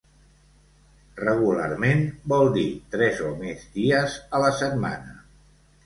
"Regularment" vol dir tres o més dies a la setmana.